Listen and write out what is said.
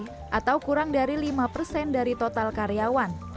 atau kurang dari lima persen dari total karyawan